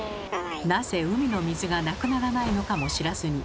なぜ海の水がなくならないのかも知らずに海に向かって。